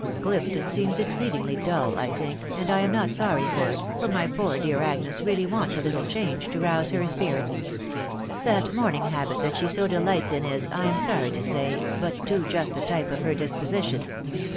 Clifton seemi exceedingly full, 1 think, and i an not sorry for it, for my poor dear Agnes really wanta a little change to rouse her spirits. ... That mourning habit that abe so delights in is, I am sorry to say, but too just a type of her disposition."